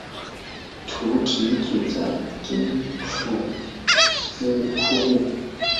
徙提举在京诸司库务。